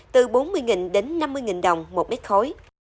từ bốn mươi đến năm mươi đồng một mét khối